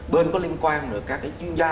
bên có liên quan rồi các cái chuyên gia